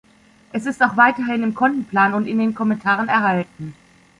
Es ist auch weiterhin im Kontenplan und in den Kommentaren erhalten.